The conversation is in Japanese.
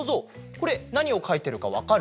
これなにをかいてるかわかる？